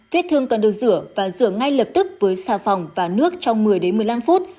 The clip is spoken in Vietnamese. vết thương cần được rửa và rửa ngay lập tức với xà phòng và nước trong một mươi đến một mươi năm phút